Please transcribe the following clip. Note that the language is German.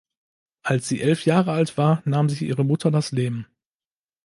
Als sie elf Jahre alt war, nahm sich ihre Mutter das Leben.